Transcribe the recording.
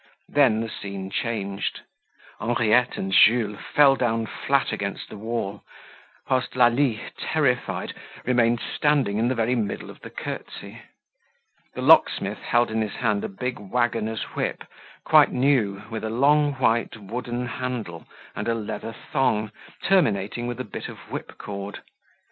Then the scene changed. Henriette and Jules fell down flat against the wall; whilst Lalie, terrified, remained standing in the very middle of the curtsey. The locksmith held in his hand a big waggoner's whip, quite new, with a long white wooden handle, and a leather thong, terminating with a bit of whip cord.